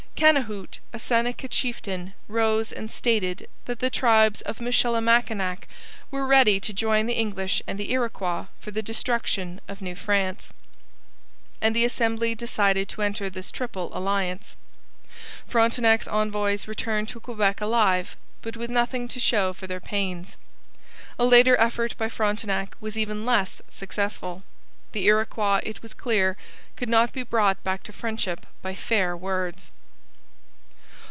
Cannehoot, a Seneca chieftain, rose and stated that the tribes of Michilimackinac were ready to join the English and the Iroquois for the destruction of New France; and the assembly decided to enter this triple alliance. Frontenac's envoys returned to Quebec alive, but with nothing to show for their pains. A later effort by Frontenac was even less successful. The Iroquois, it was clear, could not be brought back to friendship by fair words.